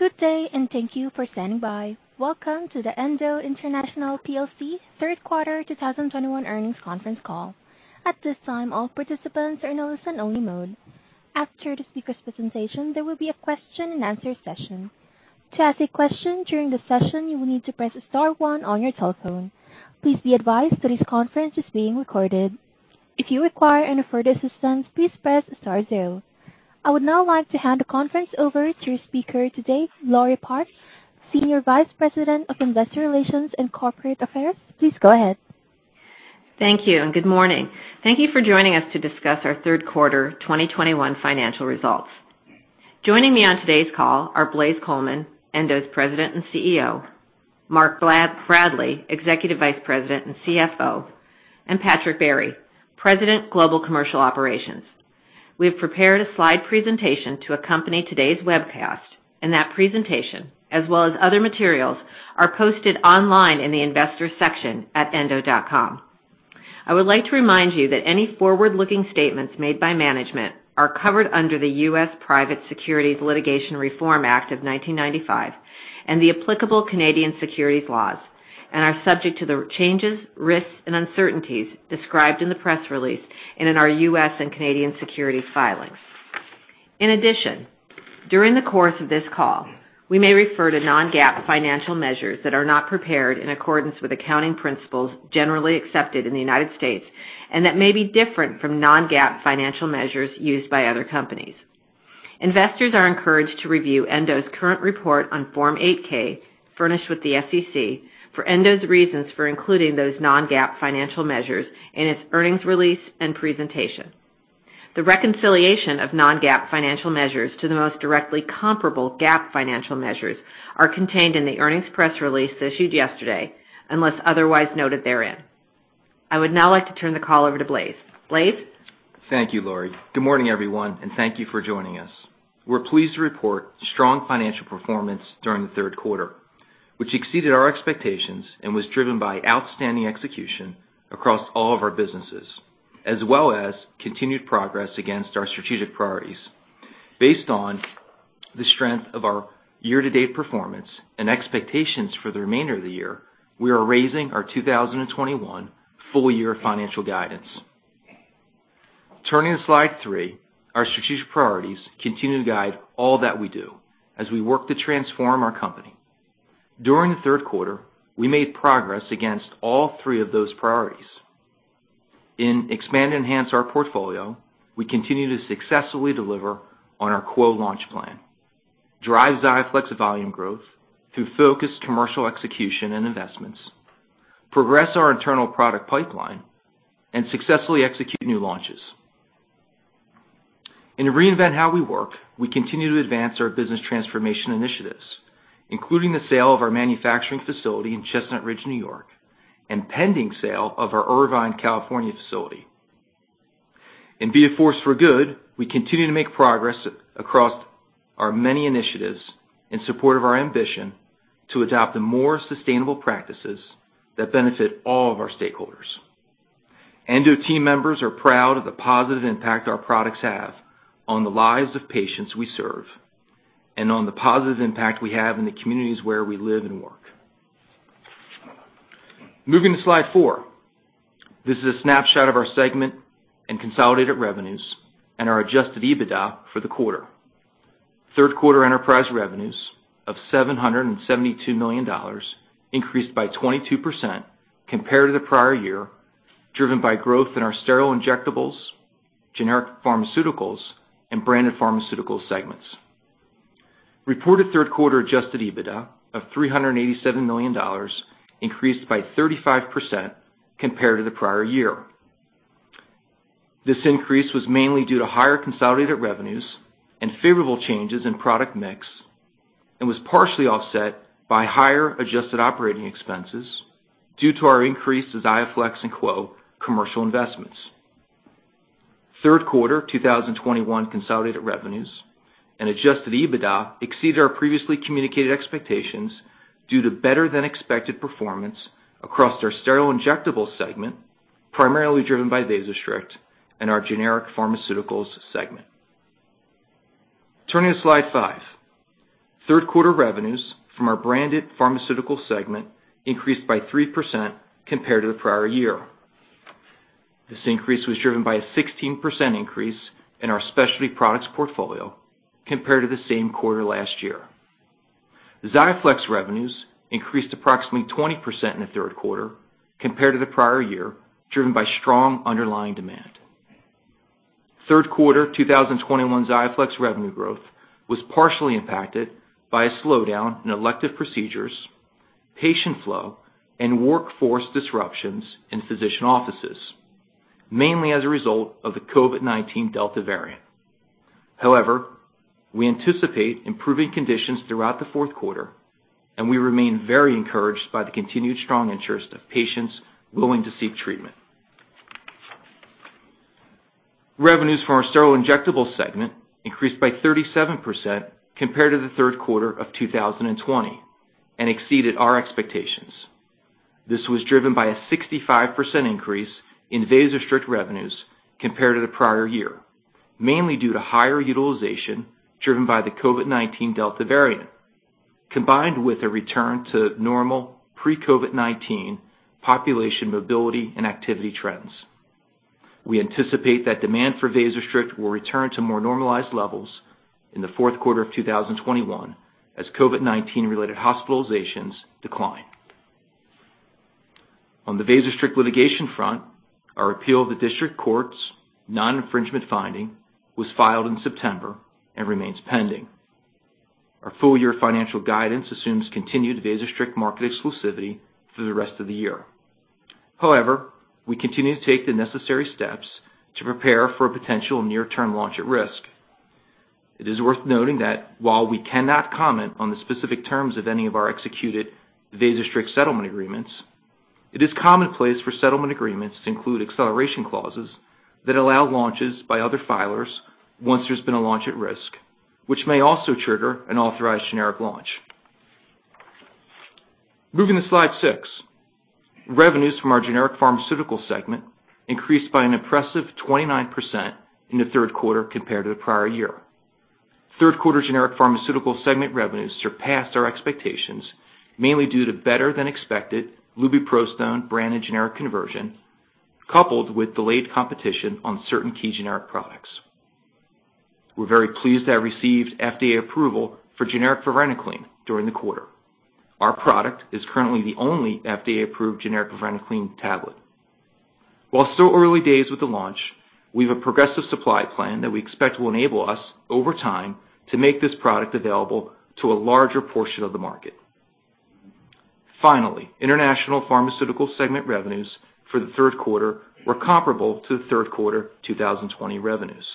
Good day, and thank you for standing by. Welcome to the Endo International plc Third Quarter 2021 Earnings Conference Call. At this time, all participants are in a listen-only mode. After the speaker's presentation, there will be a question-and-answer session. To ask a question during the session, you will need to press star one on your telephone. Please be advised that this conference is being recorded. If you require any further assistance, please press star zero. I would now like to hand the conference over to your speaker today, Laureen Park, Senior Vice President of Investor Relations and Corporate Affairs. Please go ahead. Thank you, and good morning. Thank you for joining us to discuss our third quarter 2021 financial results. Joining me on today's call are Blaise Coleman, Endo's President and CEO, Mark Bradley, Executive Vice President and CFO, and Patrick Barry, President, Global Commercial Operations. We have prepared a slide presentation to accompany today's webcast. That presentation, as well as other materials, are posted online in the investors section at endo.com. I would like to remind you that any forward-looking statements made by management are covered under the U.S. Private Securities Litigation Reform Act of 1995 and the applicable Canadian securities laws and are subject to the changes, risks, and uncertainties described in the press release and in our U.S. and Canadian security filings. In addition, during the course of this call, we may refer to non-GAAP financial measures that are not prepared in accordance with accounting principles generally accepted in the United States and that may be different from non-GAAP financial measures used by other companies. Investors are encouraged to review Endo's current report on Form 8-K furnished with the SEC for Endo's reasons for including those non-GAAP financial measures in its earnings release and presentation. The reconciliation of non-GAAP financial measures to the most directly comparable GAAP financial measures are contained in the earnings press release issued yesterday unless otherwise noted therein. I would now like to turn the call over to Blaise. Blaise? Thank you, Laure. Good morning, everyone, and thank you for joining us. We're pleased to report strong financial performance during the third quarter, which exceeded our expectations and was driven by outstanding execution across all of our businesses, as well as continued progress against our strategic priorities. Based on the strength of our year-to-date performance and expectations for the remainder of the year, we are raising our 2021 full-year financial guidance. Turning to slide three, our strategic priorities continue to guide all that we do as we work to transform our company. During the third quarter, we made progress against all three of those priorities. In expand and enhance our portfolio, we continue to successfully deliver on our QWO launch plan, drive XIAFLEX volume growth through focused commercial execution and investments, progress our internal product pipeline, and successfully execute new launches. In reinvent how we work, we continue to advance our business transformation initiatives, including the sale of our manufacturing facility in Chestnut Ridge, New York, and pending sale of our Irvine, California facility. In be a force for good, we continue to make progress across our many initiatives in support of our ambition to adopt the more sustainable practices that benefit all of our stakeholders. Endo team members are proud of the positive impact our products have on the lives of patients we serve and on the positive impact we have in the communities where we live and work. Moving to slide four. This is a snapshot of our segment and consolidated revenues and our adjusted EBITDA for the quarter. Third quarter enterprise revenues of $772 million increased by 22% compared to the prior year, driven by growth in our sterile injectables, generic pharmaceuticals, and branded pharmaceutical segments. Reported third quarter adjusted EBITDA of $387 million increased by 35% compared to the prior year. This increase was mainly due to higher consolidated revenues and favorable changes in product mix and was partially offset by higher adjusted operating expenses due to our increased XIAFLEX and QWO commercial investments. Third quarter 2021 consolidated revenues and adjusted EBITDA exceeded our previously communicated expectations due to better than expected performance across our sterile injectables Segment, primarily driven by VASOSTRICT, and our generic pharmaceuticals Segment. Turning to slide five. Third quarter revenues from our branded pharmaceutical Segment increased by 3% compared to the prior year. This increase was driven by a 16% increase in our specialty products portfolio compared to the same quarter last year. XIAFLEX revenues increased approximately 20% in the third quarter compared to the prior year, driven by strong underlying demand. Third quarter 2021 XIAFLEX revenue growth was partially impacted by a slowdown in elective procedures, patient flow, and workforce disruptions in physician offices, mainly as a result of the COVID-19 Delta variant. However, we anticipate improving conditions throughout the fourth quarter, and we remain very encouraged by the continued strong interest of patients willing to seek treatment. Revenues for our sterile injectables segment increased by 37% compared to the third quarter of 2020 and exceeded our expectations. This was driven by a 65% increase in VASOSTRICT revenues compared to the prior year, mainly due to higher utilization driven by the COVID-19 Delta variant, combined with a return to normal pre-COVID-19 population mobility and activity trends. We anticipate that demand for VASOSTRICT will return to more normalized levels in the fourth quarter of 2021 as COVID-19 related hospitalizations decline. On the VASOSTRICT litigation front, our appeal of the district court's non-infringement finding was filed in September and remains pending. Our full-year financial guidance assumes continued VASOSTRICT market exclusivity through the rest of the year. We continue to take the necessary steps to prepare for a potential near-term launch at risk. It is worth noting that while we cannot comment on the specific terms of any of our executed VASOSTRICT settlement agreements, it is commonplace for settlement agreements to include acceleration clauses that allow launches by other filers once there's been a launch at risk, which may also trigger an authorized generic launch. Moving to slide 6, revenues from our generic pharmaceutical segment increased by an impressive 29% in the third quarter compared to the prior year. Third quarter generic pharmaceutical segment revenues surpassed our expectations, mainly due to better than expected lubiprostone brand and generic conversion, coupled with delayed competition on certain key generic products. We're very pleased to have received FDA approval for generic varenicline during the quarter. Our product is currently the only FDA-approved generic varenicline tablet. While still early days with the launch, we have a progressive supply plan that we expect will enable us, over time, to make this product available to a larger portion of the market. Finally, international pharmaceutical segment revenues for the third quarter were comparable to the third quarter 2020 revenues.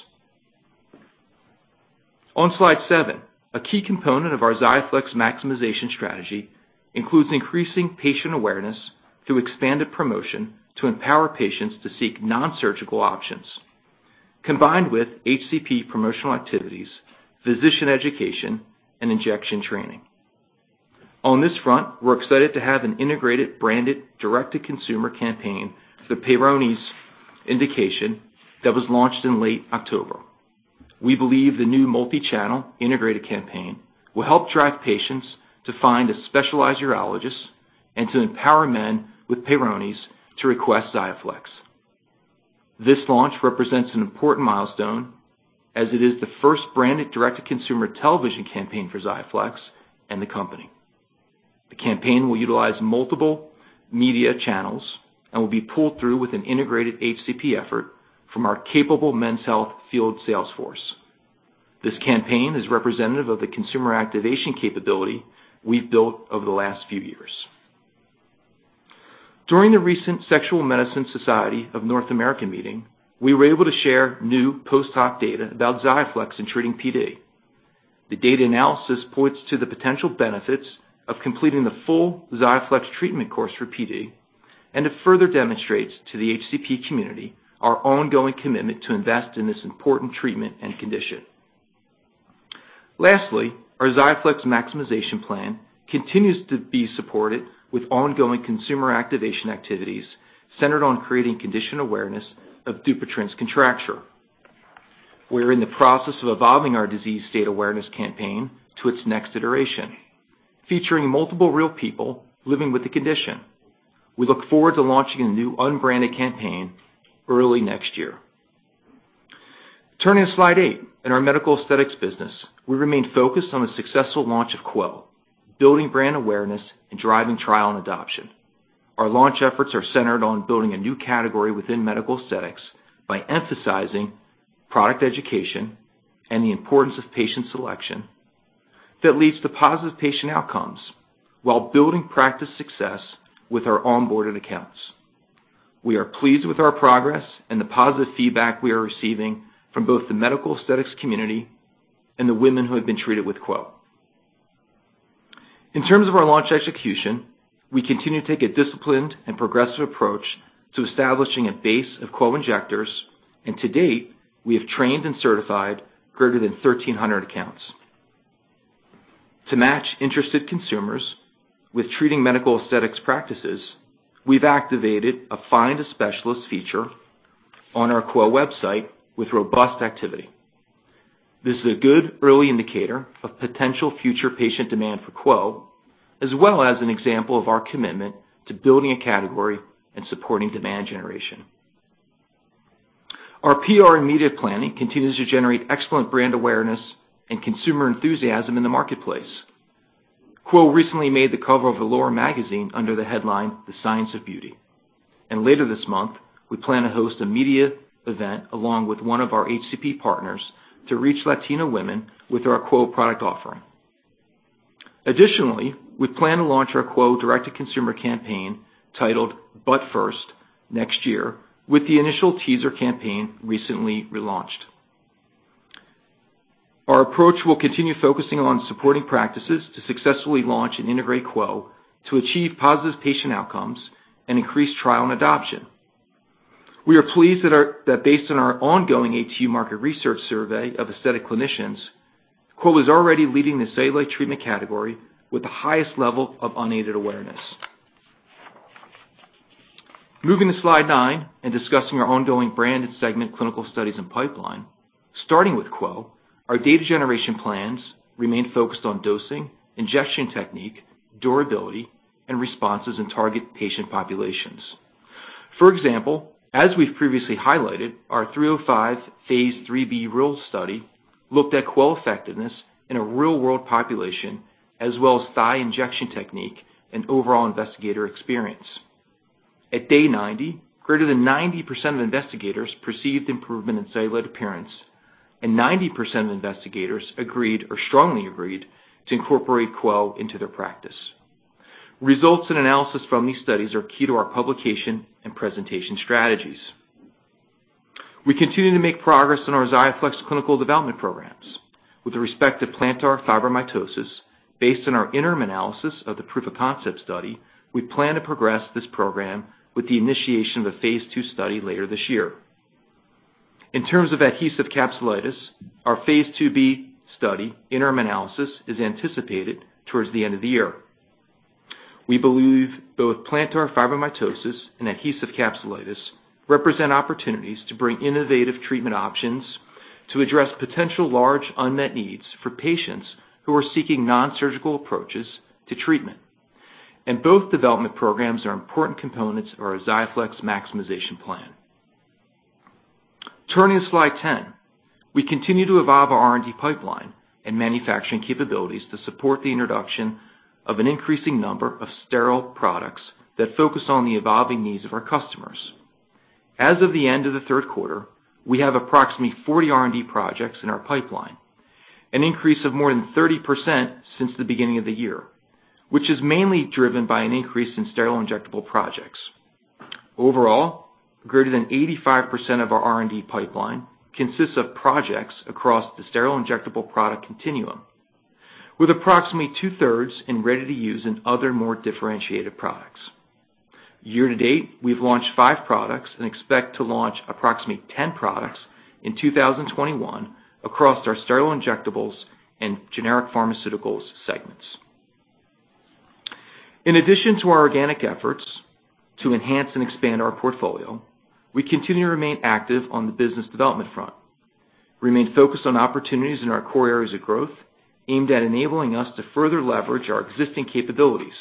On slide seven, a key component of our XIAFLEX maximization strategy includes increasing patient awareness through expanded promotion to empower patients to seek non-surgical options, combined with HCP promotional activities, physician education, and injection training. On this front, we're excited to have an integrated, branded, direct-to-consumer campaign for the Peyronie's indication that was launched in late October. We believe the new multi-channel integrated campaign will help drive patients to find a specialized urologist and to empower men with Peyronie's to request XIAFLEX. This launch represents an important milestone as it is the first branded direct-to-consumer television campaign for XIAFLEX and the company. The campaign will utilize multiple media channels and will be pulled through with an integrated HCP effort from our capable men's health field sales force. This campaign is representative of the consumer activation capability we've built over the last few years. During the recent Sexual Medicine Society of North America meeting, we were able to share new post-hoc data about XIAFLEX in treating PD. The data analysis points to the potential benefits of completing the full XIAFLEX treatment course for PD, and it further demonstrates to the HCP community our ongoing commitment to invest in this important treatment and condition. Lastly, our XIAFLEX maximization plan continues to be supported with ongoing consumer activation activities centered on creating condition awareness of Dupuytren's contracture. We're in the process of evolving our disease state awareness campaign to its next iteration, featuring multiple real people living with the condition. We look forward to launching a new unbranded campaign early next year. Turning to slide 8. In our medical aesthetics business, we remain focused on the successful launch of QWO, building brand awareness, and driving trial and adoption. Our launch efforts are centered on building a new category within medical aesthetics by emphasizing product education and the importance of patient selection that leads to positive patient outcomes while building practice success with our onboarded accounts. We are pleased with our progress and the positive feedback we are receiving from both the medical aesthetics community and the women who have been treated with QWO. In terms of our launch execution, we continue to take a disciplined and progressive approach to establishing a base of QWO injectors, and to date, we have trained and certified greater than 1,300 accounts. To match interested consumers with treating medical aesthetics practices, we've activated a Find a Specialist feature on our QWO website with robust activity. This is a good early indicator of potential future patient demand for QWO, as well as an example of our commitment to building a category and supporting demand generation. Our PR and media planning continues to generate excellent brand awareness and consumer enthusiasm in the marketplace. QWO recently made the cover of Allure magazine under the headline "The Science of Beauty." Later this month, we plan to host a media event along with one of our HCP partners to reach Latina women with our QWO product offering. Additionally, we plan to launch our QWO direct-to-consumer campaign titled "Butt First" next year with the initial teaser campaign recently relaunched. Our approach will continue focusing on supporting practices to successfully launch and integrate QWO to achieve positive patient outcomes and increase trial and adoption. We are pleased that based on our ongoing HCP market research survey of aesthetic clinicians, QWO is already leading the cellulite treatment category with the highest level of unaided awareness. Moving to slide nine and discussing our ongoing brand and segment clinical studies and pipeline. Starting with QWO, our data generation plans remain focused on dosing, injection technique, durability, and responses in target patient populations. For example, as we've previously highlighted, our 305 phase III-B REAL study looked at QWO effectiveness in a real-world population, as well as thigh injection technique and overall investigator experience. At day 90, greater than 90% of investigators perceived improvement in cellulite appearance, and 90% of investigators agreed or strongly agreed to incorporate QWO into their practice. Results and analysis from these studies are key to our publication and presentation strategies. We continue to make progress on our XIAFLEX clinical development programs. With respect to plantar fibromatosis, based on our interim analysis of the proof of concept study, we plan to progress this program with the initiation of a phase II study later this year. In terms of adhesive capsulitis, our phase IIb study interim analysis is anticipated towards the end of the year. We believe both plantar fibromatosis and adhesive capsulitis represent opportunities to bring innovative treatment options to address potential large unmet needs for patients who are seeking nonsurgical approaches to treatment. Both development programs are important components of our XIAFLEX maximization plan. Turning to slide 10. We continue to evolve our R&D pipeline and manufacturing capabilities to support the introduction of an increasing number of sterile products that focus on the evolving needs of our customers. As of the end of the third quarter, we have approximately 40 R&D projects in our pipeline, an increase of more than 30% since the beginning of the year, which is mainly driven by an increase in sterile injectable projects. Overall, greater than 85% of our R&D pipeline consists of projects across the sterile injectable product continuum, with approximately two-thirds in ready-to-use and other more differentiated products. Year-to-date, we've launched five products and expect to launch approximately 10 products in 2021 across our sterile injectables and generic pharmaceuticals segments. In addition to our organic efforts to enhance and expand our portfolio, we continue to remain active on the business development front. We remain focused on opportunities in our core areas of growth aimed at enabling us to further leverage our existing capabilities.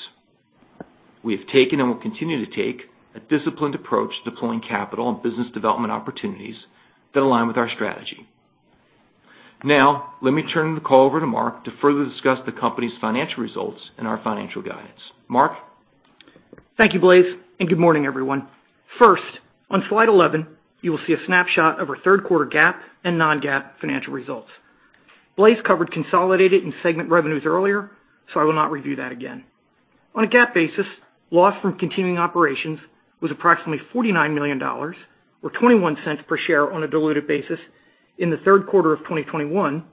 We have taken and will continue to take a disciplined approach to deploying capital and business development opportunities that align with our strategy. Let me turn the call over to Mark to further discuss the company's financial results and our financial guidance. Mark? Thank you, Blaise, good morning, everyone. First, on slide 11, you will see a snapshot of our third quarter GAAP and non-GAAP financial results. Blaise covered consolidated and segment revenues earlier, I will not review that again. On a GAAP basis, loss from continuing operations was approximately $49 million, or $0.21 per share on a diluted basis in the third quarter of 2021,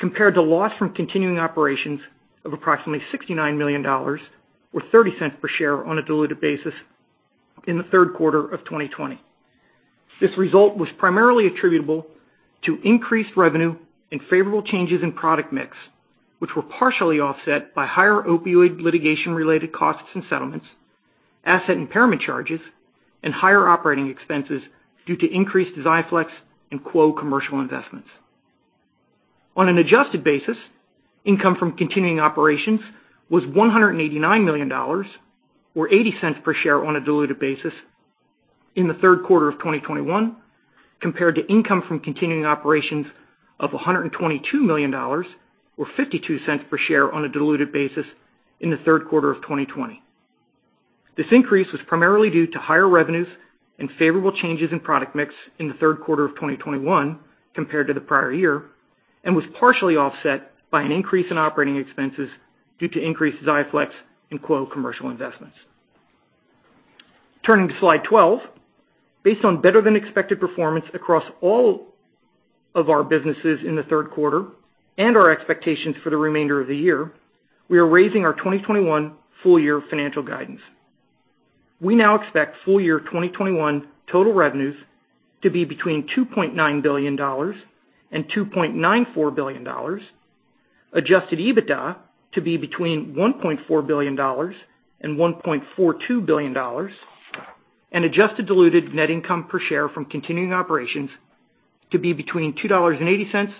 compared to loss from continuing operations of approximately $69 million, or $0.30 per share on a diluted basis, in the third quarter of 2020. This result was primarily attributable to increased revenue and favorable changes in product mix, which were partially offset by higher opioid litigation-related costs and settlements, asset impairment charges, and higher operating expenses due to increased XIAFLEX and QWO commercial investments. On an adjusted basis, income from continuing operations was $189 million, or $0.80 per share on a diluted basis, in the third quarter of 2021, compared to income from continuing operations of $122 million, or $0.52 per share on a diluted basis, in the third quarter of 2020. This increase was primarily due to higher revenues and favorable changes in product mix in the third quarter of 2021 compared to the prior year and was partially offset by an increase in operating expenses due to increased XIAFLEX and QWO commercial investments. Turning to slide 12. Based on better-than-expected performance across all of our businesses in the third quarter and our expectations for the remainder of the year, we are raising our 2021 full-year financial guidance. We now expect full-year 2021 total revenues to be between $2.9 billion and $2.94 billion, adjusted EBITDA to be between $1.4 billion and $1.42 billion, and adjusted diluted net income per share from continuing operations to be between $2.80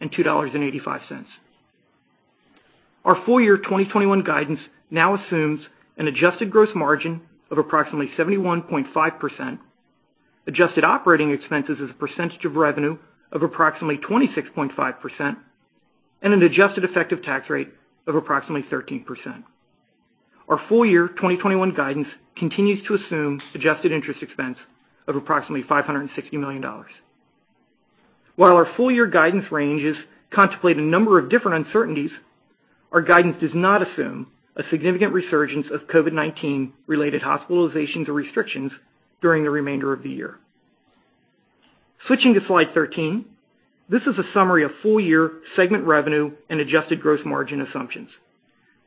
and $2.85. Our full-year 2021 guidance now assumes an adjusted gross margin of approximately 71.5%, adjusted operating expenses as a percentage of revenue of approximately 26.5%, and an adjusted effective tax rate of approximately 13%. Our full-year 2021 guidance continues to assume adjusted interest expense of approximately $560 million. While our full-year guidance ranges contemplate a number of different uncertainties, our guidance does not assume a significant resurgence of COVID-19 related hospitalizations or restrictions during the remainder of the year. Switching to slide 13. This is a summary of full-year segment revenue and adjusted gross margin assumptions.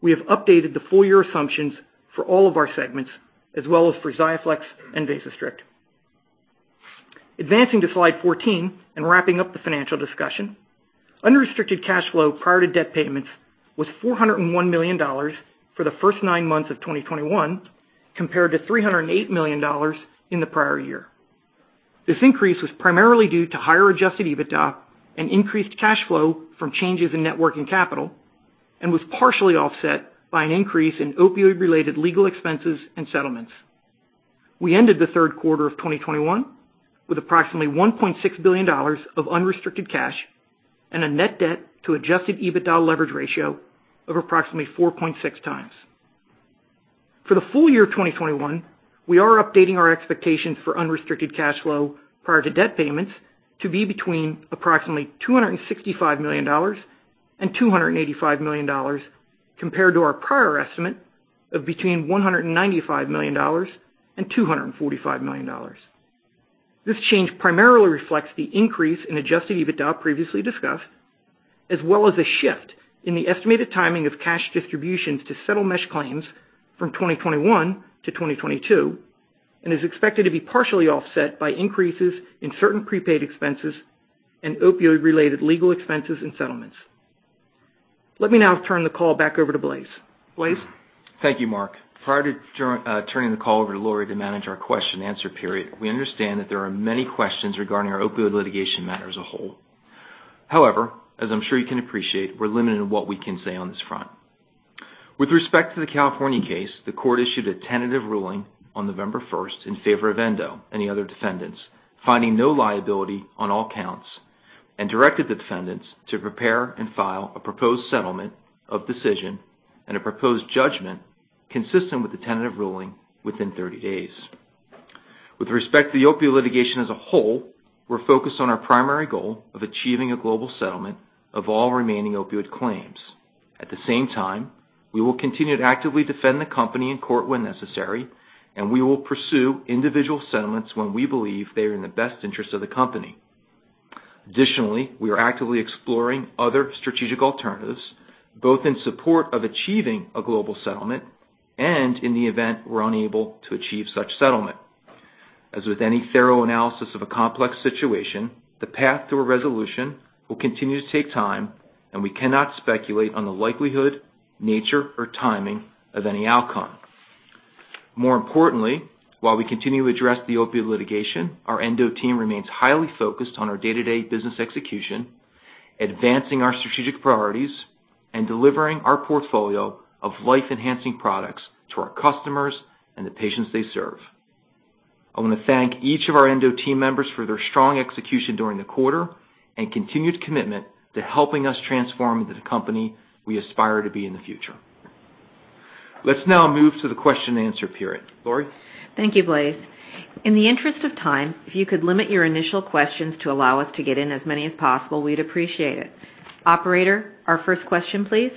We have updated the full-year assumptions for all of our segments as well as for XIAFLEX and VASOSTRICT. Advancing to slide 14 and wrapping up the financial discussion. Unrestricted cash flow prior to debt payments was $401 million for the first nine months of 2021 compared to $308 million in the prior year. This increase was primarily due to higher adjusted EBITDA and increased cash flow from changes in net working capital and was partially offset by an increase in opioid related legal expenses and settlements. We ended the third quarter of 2021 with approximately $1.6 billion of unrestricted cash and a net debt to adjusted EBITDA leverage ratio of approximately 4.6 times. For the full-year of 2021, we are updating our expectations for unrestricted cash flow prior to debt payments to be between approximately $265 million and $285 million compared to our prior estimate of between $195 million and $245 million. This change primarily reflects the increase in adjusted EBITDA previously discussed, as well as a shift in the estimated timing of cash distributions to settle mesh claims from 2021 to 2022, and is expected to be partially offset by increases in certain prepaid expenses and opioid related legal expenses and settlements. Let me now turn the call back over to Blaise. Blaise? Thank you, Mark. Prior to turning the call over to Laure to manage our question answer period, we understand that there are many questions regarding our opioid litigation matter as a whole. As I'm sure you can appreciate, we're limited in what we can say on this front. With respect to the California case, the court issued a tentative ruling on November 1st in favor of Endo and the other defendants, finding no liability on all counts, and directed the defendants to prepare and file a proposed settlement of decision and a proposed judgment consistent with the tentative ruling within 30 days. With respect to the opioid litigation as a whole, we're focused on our primary goal of achieving a global settlement of all remaining opioid claims. At the same time, we will continue to actively defend the company in court when necessary, and we will pursue individual settlements when we believe they are in the best interest of the company. Additionally, we are actively exploring other strategic alternatives, both in support of achieving a global settlement and in the event we're unable to achieve such settlement. As with any thorough analysis of a complex situation, the path to a resolution will continue to take time, and we cannot speculate on the likelihood, nature or timing of any outcome. More importantly, while we continue to address the opioid litigation, our Endo team remains highly focused on our day-to-day business execution, advancing our strategic priorities, and delivering our portfolio of life enhancing products to our customers and the patients they serve. I want to thank each of our Endo team members for their strong execution during the quarter and continued commitment to helping us transform into the company we aspire to be in the future. Let's now move to the question-and-answer period. Laure? Thank you, Blaise. In the interest of time, if you could limit your initial questions to allow us to get in as many as possible, we'd appreciate it. Operator, our first question, please.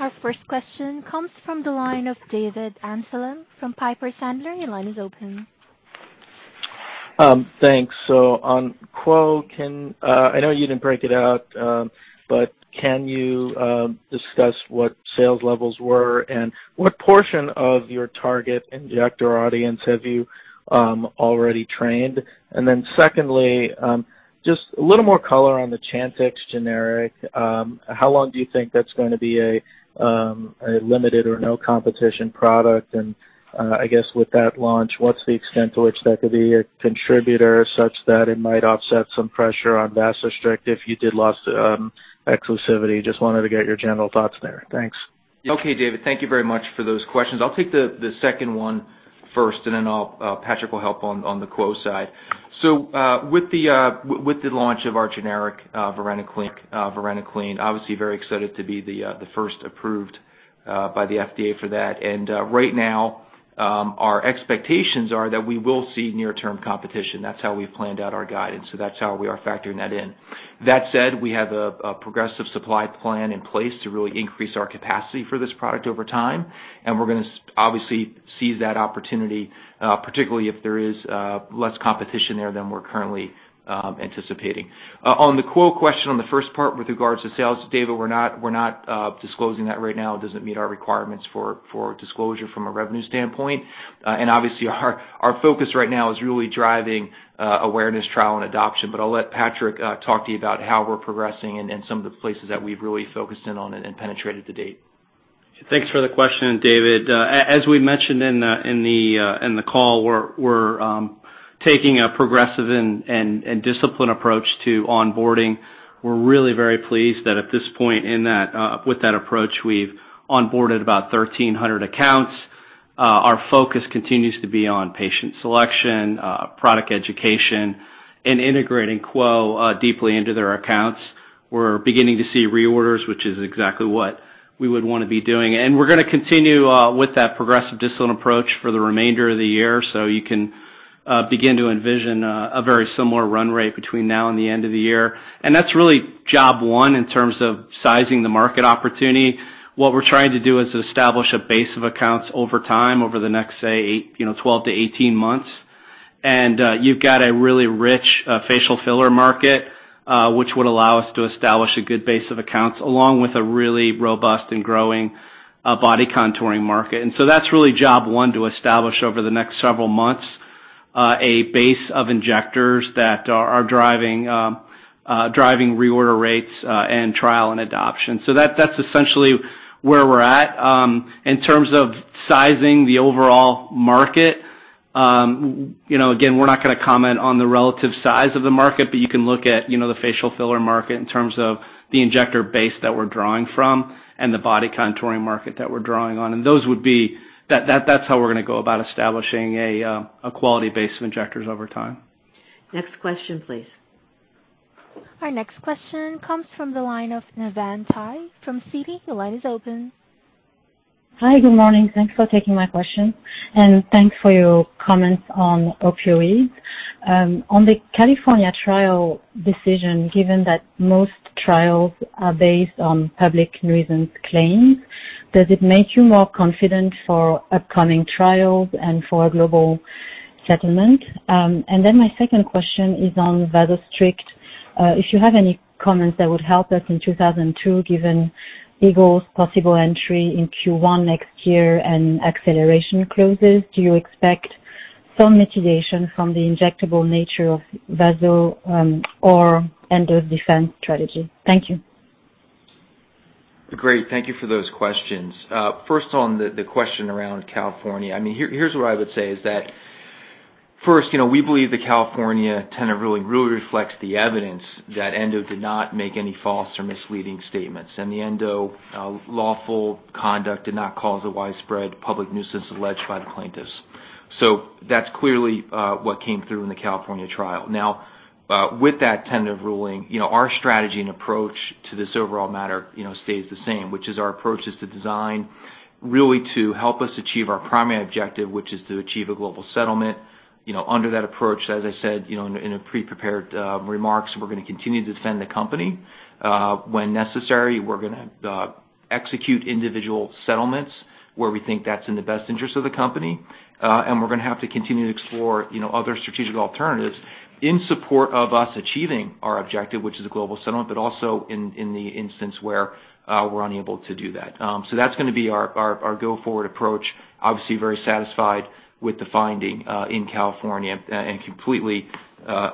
Our first question comes from the line of David Amsellem from Piper Sandler. Thanks. On QWO, I know you didn't break it out, but can you discuss what sales levels were and what portion of your target injector audience have you already trained? Secondly, just a little more color on the CHANTIX generic. How long do you think that's going to be a limited or no competition product? I guess with that launch, what's the extent to which that could be a contributor such that it might offset some pressure on VASOSTRICT if you did lose exclusivity? Just wanted to get your general thoughts there. Thanks. David, thank you very much for those questions. I'll take the second one first. Patrick will help on the QWO side. With the launch of our generic varenicline, obviously very excited to be the first approved by the FDA for that. Right now, our expectations are that we will see near term competition. That's how we've planned out our guidance. That's how we are factoring that in. That said, we have a progressive supply plan in place to really increase our capacity for this product over time. We're going to obviously seize that opportunity, particularly if there is less competition there than we're currently anticipating. On the QWO question, on the first part with regards to sales, David, we're not disclosing that right now. It doesn't meet our requirements for disclosure from a revenue standpoint. Obviously our focus right now is really driving awareness, trial and adoption. I'll let Patrick talk to you about how we're progressing and some of the places that we've really focused in on and penetrated to date. Thanks for the question, David. As we mentioned in the call, we're taking a progressive and disciplined approach to onboarding. We're really very pleased that at this point with that approach, we've onboarded about 1,300 accounts. Our focus continues to be on patient selection, product education, and integrating QWO deeply into their accounts. We're beginning to see reorders, which is exactly what we would want to be doing. We're going to continue with that progressive disciplined approach for the remainder of the year. You can begin to envision a very similar run rate between now and the end of the year. That's really job one in terms of sizing the market opportunity. What we're trying to do is establish a base of accounts over time, over the next, say, 12 to 18 months. You've got a really rich facial filler market, which would allow us to establish a good base of accounts, along with a really robust and growing body contouring market. That's really job one, to establish over the next several months, a base of injectors that are driving reorder rates and trial and adoption. That's essentially where we're at. In terms of sizing the overall market, again, we're not going to comment on the relative size of the market, but you can look at the facial filler market in terms of the injector base that we're drawing from and the body contouring market that we're drawing on. That's how we're going to go about establishing a quality base of injectors over time. Next question, please. Our next question comes from the line of Navann Ty from Citi. Your line is open. Hi. Good morning. Thanks for taking my question and thanks for your comments on opioids. On the California trial decision, given that most trials are based on public nuisance claims, does it make you more confident for upcoming trials and for a global settlement? My second question is on VASOSTRICT. If you have any comments that would help us in 2002, given Eagle's possible entry in Q1 next year and acceleration clauses, do you expect some mitigation from the injectable nature of VASOSTRICT or Endo's defense strategy? Thank you. Great. Thank you for those questions. On the question around California. We believe the California tentative ruling really reflects the evidence that Endo did not make any false or misleading statements, and the Endo lawful conduct did not cause a widespread public nuisance alleged by the plaintiffs. That's clearly what came through in the California trial. With that tentative ruling, our strategy and approach to this overall matter stays the same, which is our approach is to design really to help us achieve our primary objective, which is to achieve a global settlement. Under that approach, as I said in the pre-prepared remarks, we're going to continue to defend the company. When necessary, we're going to execute individual settlements where we think that's in the best interest of the company. We're going to have to continue to explore other strategic alternatives in support of us achieving our objective, which is a global settlement, but also in the instance where we're unable to do that. That's going to be our go-forward approach. Obviously, very satisfied with the finding in California and completely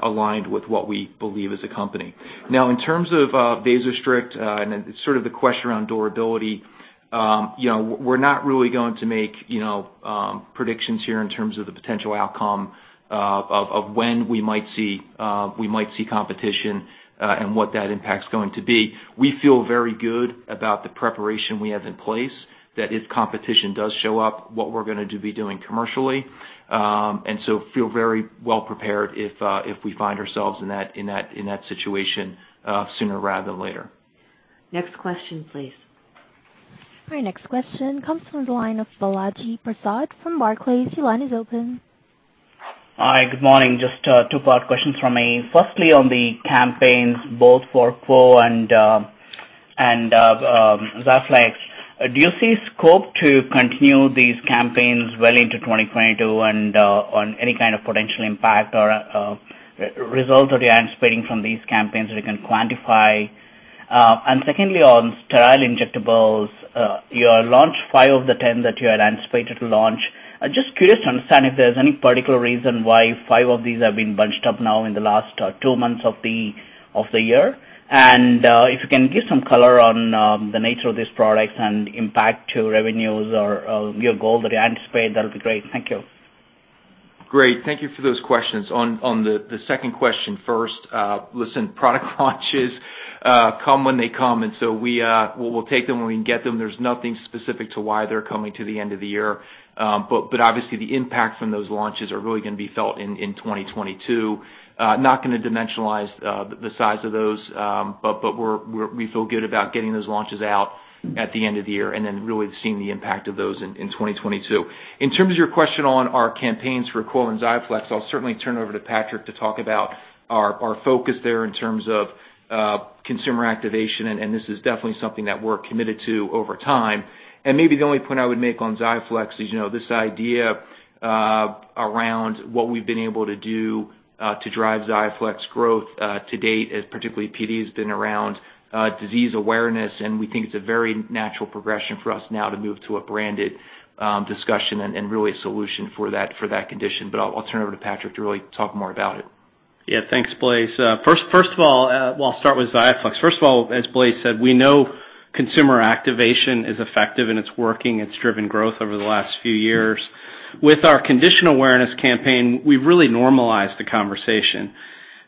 aligned with what we believe as a company. Now, in terms of VASOSTRICT and then sort of the question around durability, we're not really going to make predictions here in terms of the potential outcome of when we might see competition and what that impact's going to be. We feel very good about the preparation we have in place, that if competition does show up, what we're going to be doing commercially. Feel very well prepared if we find ourselves in that situation sooner rather than later. Next question, please. Our next question comes from the line of Balaji Prasad from Barclays. Your line is open. Hi. Good morning. Just two-part questions from me. Firstly, on the campaigns both for QWO and XIAFLEX, do you see scope to continue these campaigns well into 2022 and on any kind of potential impact or results that you are expecting from these campaigns that you can quantify? Secondly, on sterile injectables, you launched 5 of the 10 that you had anticipated to launch. I'm just curious to understand if there's any particular reason why 5 of these have been bunched up now in the last two months of the year. If you can give some color on the nature of these products and impact to revenues or your goal that you anticipate, that'll be great. Thank you. Great. Thank you for those questions. On the second question first. Listen, product launches come when they come, we'll take them when we can get them. There's nothing specific to why they're coming to the end of the year. Obviously the impact from those launches are really going to be felt in 2022. Not going to dimensionalize the size of those, we feel good about getting those launches out at the end of the year really seeing the impact of those in 2022. In terms of your question on our campaigns for QWO and XIAFLEX, I'll certainly turn it over to Patrick to talk about our focus there in terms of consumer activation, this is definitely something that we're committed to over time. Maybe the only point I would make on XIAFLEX is this idea around what we've been able to do to drive XIAFLEX growth to date, as particularly PD, has been around disease awareness, and we think it's a very natural progression for us now to move to a branded discussion and really a solution for that condition. I'll turn it over to Patrick to really talk more about it. Thanks, Blaise. First of all, well, I'll start with XIAFLEX. First of all, as Blaise said, we know consumer activation is effective and it's working. It's driven growth over the last few years. With our condition awareness campaign, we've really normalized the conversation.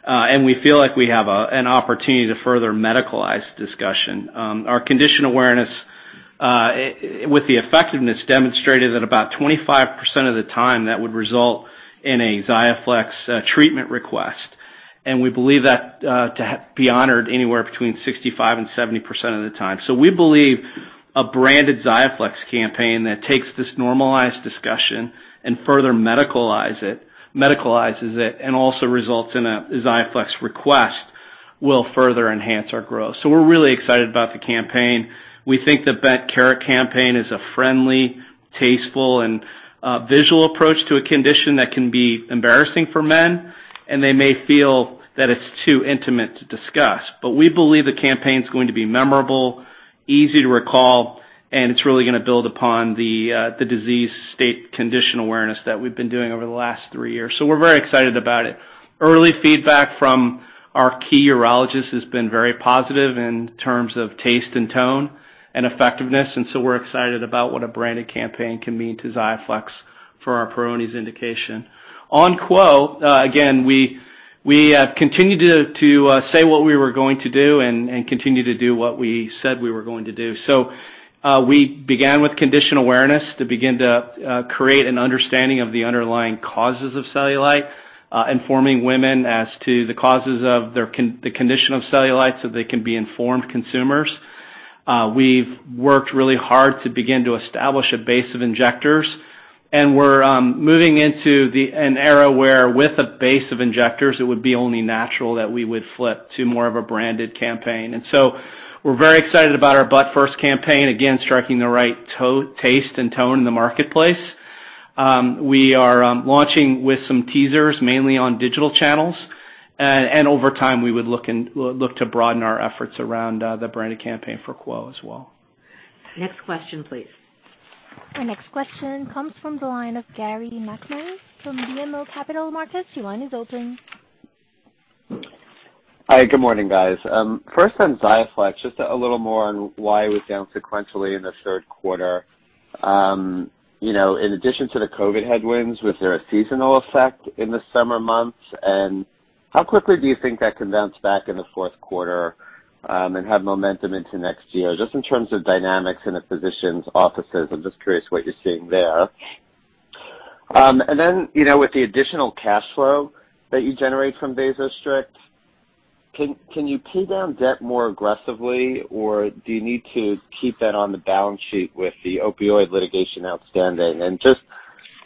We feel like we have an opportunity to further medicalize discussion. Our condition awareness, with the effectiveness demonstrated at about 25% of the time, that would result in a XIAFLEX treatment request. We believe that to be honored anywhere between 65% and 70% of the time. We believe a branded XIAFLEX campaign that takes this normalized discussion and further medicalizes it and also results in a XIAFLEX request will further enhance our growth. We're really excited about the campaign. We think the Bent Carrot campaign is a friendly, tasteful, and visual approach to a condition that can be embarrassing for men, and they may feel that it's too intimate to discuss. We believe the campaign's going to be memorable, easy to recall, and it's really going to build upon the disease state condition awareness that we've been doing over the last three years. We're very excited about it. Early feedback from our key urologists has been very positive in terms of taste and tone and effectiveness, we're excited about what a branded campaign can mean to XIAFLEX for our Peyronie's indication. On QWO, again, we continued to say what we were going to do and continue to do what we said we were going to do. We began with condition awareness to begin to create an understanding of the underlying causes of cellulite, informing women as to the causes of the condition of cellulite so they can be informed consumers. We've worked really hard to begin to establish a base of injectors, and we're moving into an era where with a base of injectors, it would be only natural that we would flip to more of a branded campaign. We're very excited about our Butt First campaign, again, striking the right taste and tone in the marketplace. We are launching with some teasers, mainly on digital channels. Over time, we would look to broaden our efforts around the branded campaign for QWO as well. Next question, please. Our next question comes from the line of Gary Nachman from BMO Capital Markets. Your line is open. Hi, good morning, guys. First on XIAFLEX, just a little more on why it was down sequentially in the third quarter. In addition to the COVID headwinds, was there a seasonal effect in the summer months? How quickly do you think that can bounce back in the fourth quarter, and have momentum into next year? Just in terms of dynamics in a physician's offices, I'm just curious what you're seeing there. With the additional cash flow that you generate from VASOSTRICT, can you pay down debt more aggressively, or do you need to keep that on the balance sheet with the opioid litigation outstanding? Just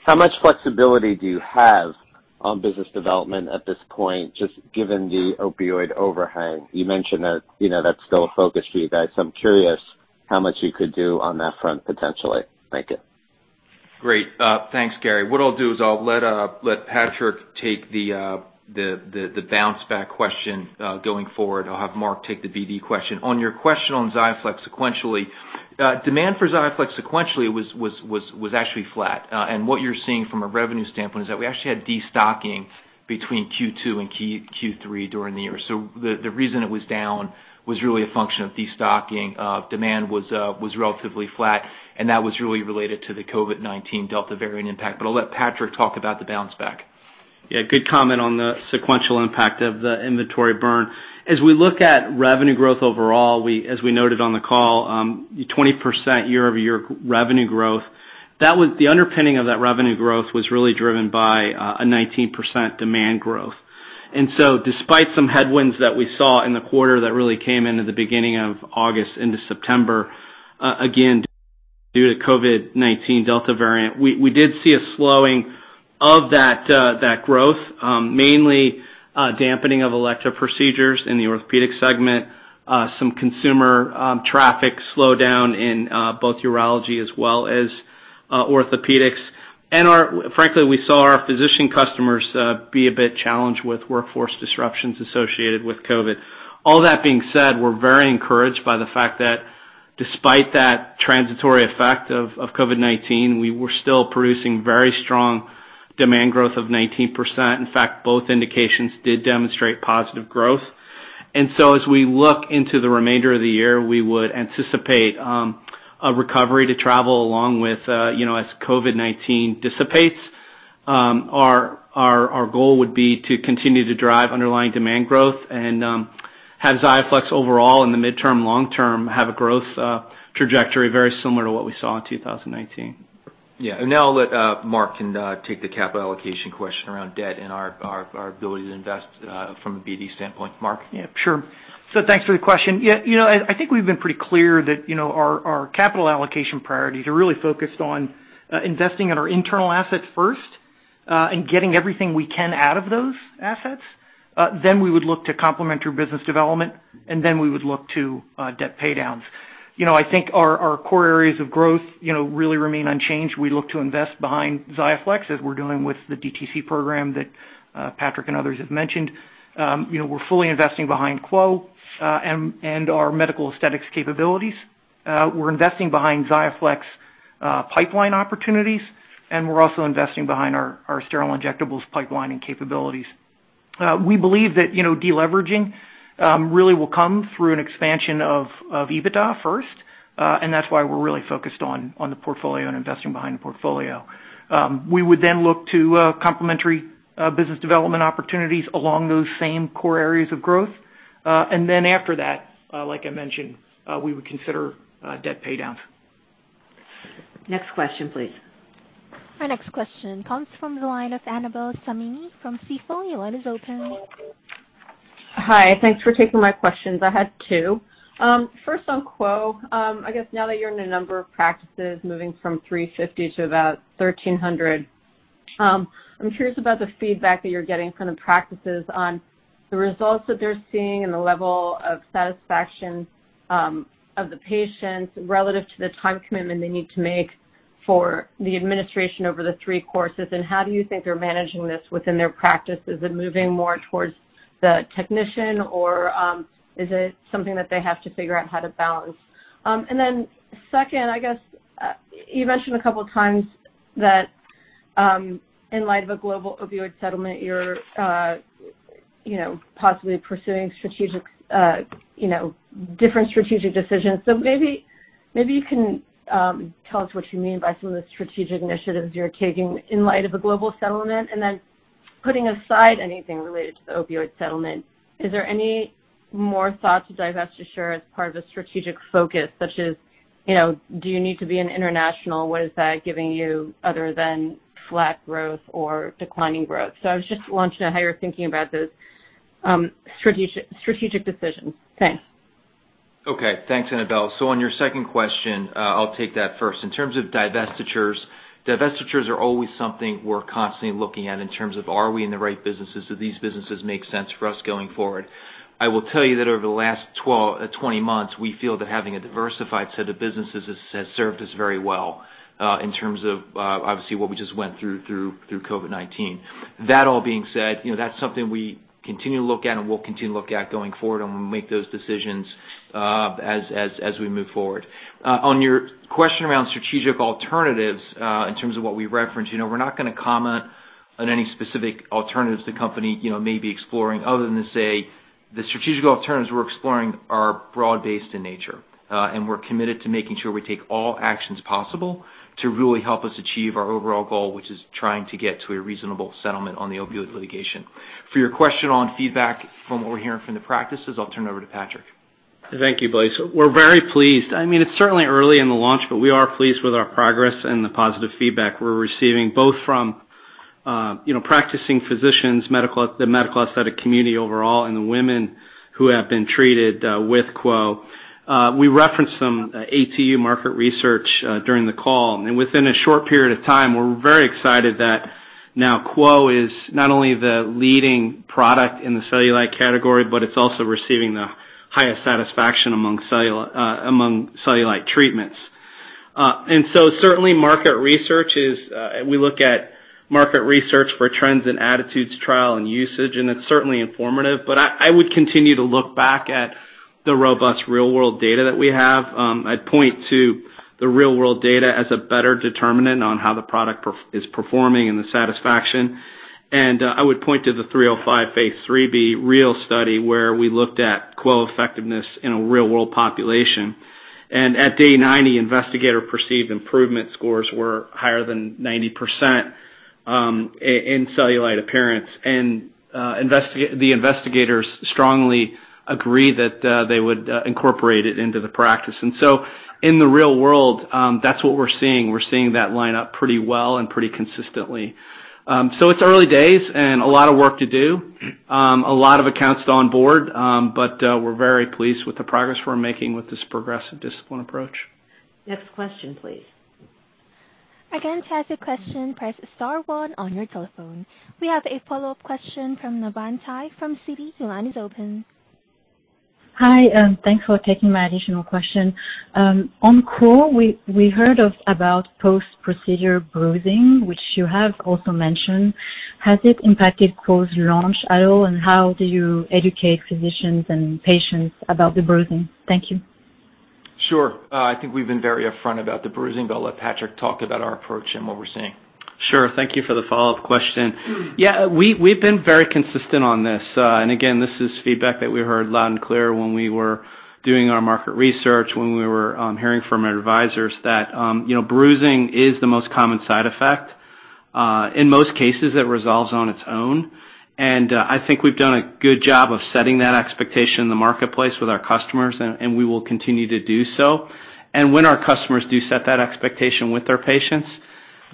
how much flexibility do you have on business development at this point, just given the opioid overhang? You mentioned that's still a focus for you guys, so I'm curious how much you could do on that front, potentially. Thank you. Great. Thanks, Gary. What I'll do is I'll let Patrick take the bounce-back question going forward. I'll have Mark take the BD question. On your question on XIAFLEX sequentially, demand for XIAFLEX sequentially was actually flat. What you're seeing from a revenue standpoint is that we actually had de-stocking between Q2 and Q3 during the year. The reason it was down was really a function of de-stocking. Demand was relatively flat, and that was really related to the COVID-19 Delta variant impact. I'll let Patrick talk about the bounce back. Yeah, good comment on the sequential impact of the inventory burn. We look at revenue growth overall, as we noted on the call, 20% year-over-year revenue growth. The underpinning of that revenue growth was really driven by a 19% demand growth. Despite some headwinds that we saw in the quarter that really came into the beginning of August into September, again, due to COVID-19 Delta variant, we did see a slowing of that growth, mainly dampening of electro procedures in the orthopedic segment, some consumer traffic slowdown in both urology as well as orthopedics. Frankly, we saw our physician customers be a bit challenged with workforce disruptions associated with COVID. All that being said, we are very encouraged by the fact that despite that transitory effect of COVID-19, we were still producing very strong demand growth of 19%. In fact, both indications did demonstrate positive growth. As we look into the remainder of the year, we would anticipate a recovery to travel along with as COVID-19 dissipates. Our goal would be to continue to drive underlying demand growth and have XIAFLEX overall in the midterm, long-term, have a growth trajectory very similar to what we saw in 2019. Yeah. Now I'll let Mark take the capital allocation question around debt and our ability to invest from a BD standpoint. Mark? Yeah, sure. Thanks for the question. I think we've been pretty clear that our capital allocation priorities are really focused on investing in our internal assets first, and getting everything we can out of those assets. We would look to complementary business development, and then we would look to debt paydowns. I think our core areas of growth really remain unchanged. We look to invest behind XIAFLEX as we're doing with the DTC program that Patrick and others have mentioned. We're fully investing behind QWO, and our medical aesthetics capabilities. We're investing behind XIAFLEX pipeline opportunities, and we're also investing behind our sterile injectables pipeline and capabilities. We believe that de-leveraging really will come through an expansion of EBITDA first, and that's why we're really focused on the portfolio and investing behind the portfolio. We would look to complementary business development opportunities along those same core areas of growth. After that, like I mentioned, we would consider debt paydowns. Next question, please. Our next question comes from the line of Annabel Samimy from Stifel. Your line is open. Hi. Thanks for taking my questions. I had two. First on QWO. I guess now that you're in a number of practices moving from 350 to about 1,300. I'm curious about the feedback that you're getting from the practices on the results that they're seeing and the level of satisfaction of the patients relative to the time commitment they need to make for the administration over the 3 courses. How do you think they're managing this within their practices and moving more towards the technician, or is it something that they have to figure out how to balance? Second, I guess, you mentioned a couple of times that, in light of a global opioid settlement, you're possibly pursuing different strategic decisions. Maybe you can tell us what you mean by some of the strategic initiatives you're taking in light of the global settlement. Putting aside anything related to the opioid settlement, is there any more thought to divestiture as part of a strategic focus, such as, do you need to be in international? What is that giving you other than flat growth or declining growth? I just wanted to know how you're thinking about those strategic decisions. Thanks. Okay. Thanks, Annabel Samimy. On your second question, I'll take that first. In terms of divestitures are always something we're constantly looking at in terms of are we in the right businesses? Do these businesses make sense for us going forward? I will tell you that over the last 20 months, we feel that having a diversified set of businesses has served us very well, in terms of, obviously what we just went through COVID-19. That all being said, that's something we continue to look at and will continue to look at going forward, and we'll make those decisions as we move forward. On your question around strategic alternatives, in terms of what we referenced, we're not going to comment on any specific alternatives the company may be exploring other than to say the strategic alternatives we're exploring are broad-based in nature. We're committed to making sure we take all actions possible to really help us achieve our overall goal, which is trying to get to a reasonable settlement on the opioid litigation. For your question on feedback from what we're hearing from the practices, I'll turn it over to Patrick. Thank you, Blaise. We're very pleased. It's certainly early in the launch, but we are pleased with our progress and the positive feedback we're receiving, both from practicing physicians, the medical aesthetic community overall, and the women who have been treated with QWO. We referenced some ATU market research during the call, and within a short period of time, we're very excited that now QWO is not only the leading product in the cellulite category, but it's also receiving the highest satisfaction among cellulite treatments. Certainly, we look at market research for trends and attitudes, trial, and usage, and it's certainly informative. I would continue to look back at the robust real-world data that we have. I'd point to the real-world data as a better determinant on how the product is performing and the satisfaction. I would point to the 305 phase III-B REAL study where we looked at QWO effectiveness in a real-world population. At day 90, investigator-perceived improvement scores were higher than 90% in cellulite appearance. The investigators strongly agreed that they would incorporate it into the practice. In the real world, that's what we're seeing. We're seeing that line up pretty well and pretty consistently. It's early days and a lot of work to do, a lot of accounts to onboard, but we're very pleased with the progress we're making with this progressive discipline approach. Next question please. To ask a question, press star one on your telephone. We have a follow-up question from Navann Ty from Citi. Your line is open. Hi, thanks for taking my additional question. On QWO, we heard about post-procedure bruising, which you have also mentioned. Has it impacted QWO's launch at all, and how do you educate physicians and patients about the bruising? Thank you. Sure. I think we've been very upfront about the bruising, but I'll let Patrick talk about our approach and what we're seeing. Sure. Thank you for the follow-up question. Yeah, we've been very consistent on this. Again, this is feedback that we heard loud and clear when we were doing our market research, when we were hearing from our advisors that bruising is the most common side effect. In most cases, it resolves on its own. I think we've done a good job of setting that expectation in the marketplace with our customers, and we will continue to do so. When our customers do set that expectation with their patients,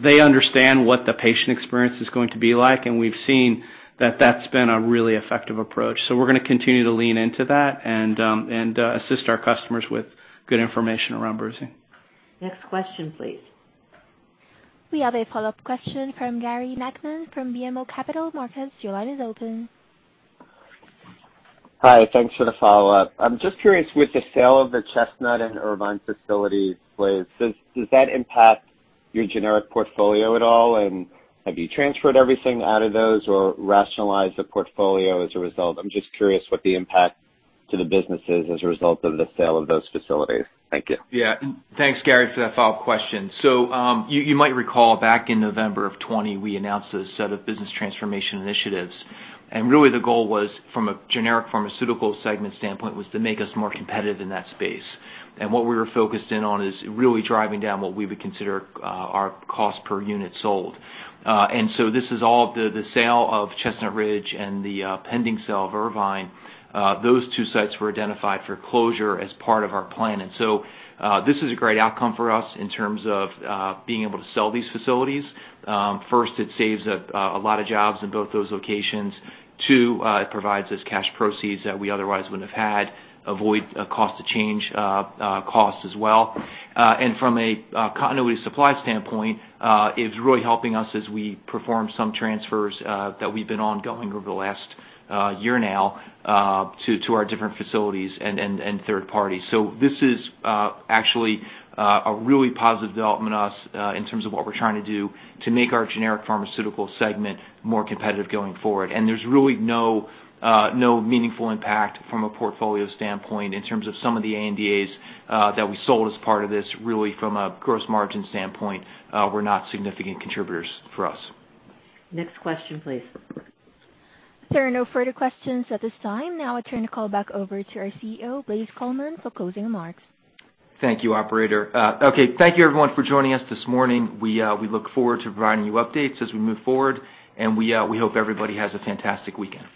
they understand what the patient experience is going to be like, and we've seen that that's been a really effective approach. We're going to continue to lean into that and assist our customers with good information around bruising. Next question, please. We have a follow-up question from Gary Nachman from BMO Capital Markets. Your line is open. Hi. Thanks for the follow-up. I'm just curious, with the sale of the Chestnut and Irvine facilities, Blaise, does that impact your generic portfolio at all? Have you transferred everything out of those or rationalized the portfolio as a result? I'm just curious what the impact to the business is as a result of the sale of those facilities. Thank you. Thanks, Gary, for that follow-up question. You might recall back in November of 2020, we announced a set of business transformation initiatives. Really the goal was, from a generic pharmaceutical segment standpoint, was to make us more competitive in that space. What we were focused in on is really driving down what we would consider our cost per unit sold. This is all the sale of Chestnut Ridge and the pending sale of Irvine. Those two sites were identified for closure as part of our plan. This is a great outcome for us in terms of being able to sell these facilities. First, it saves a lot of jobs in both those locations. Two, it provides us cash proceeds that we otherwise wouldn't have had, avoid cost to change costs as well. From a continuity supply standpoint, it's really helping us as we perform some transfers that we've been ongoing over the last year now to our different facilities and third parties. This is actually a really positive development in terms of what we're trying to do to make our generic pharmaceutical segment more competitive going forward. There's really no meaningful impact from a portfolio standpoint in terms of some of the ANDAs that we sold as part of this. Really from a gross margin standpoint, were not significant contributors for us. Next question, please. There are no further questions at this time. Now I turn the call back over to our CEO, Blaise Coleman, for closing remarks. Thank you, operator. Thank you everyone for joining us this morning. We look forward to providing you updates as we move forward, and we hope everybody has a fantastic weekend.